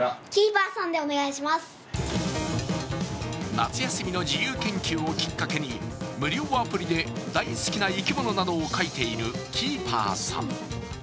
夏休みの自由研究をきっかけに無料アプリで大好きな生き物などを描いているキーパーさん。